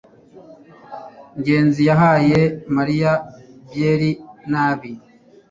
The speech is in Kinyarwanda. ngenzi yahaye mariya byeri nabi